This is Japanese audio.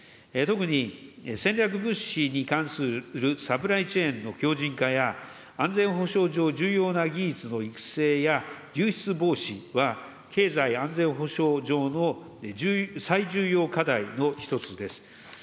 特に戦略物資に関するサプライチェーンの強じん化や、安全保障上重要な技術の育成や流出防止は、経済安全保障上の最重要課題の一つです。